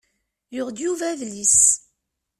Yuɣ-d Yuba adlis.